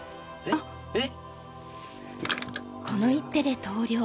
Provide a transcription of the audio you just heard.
この一手で投了。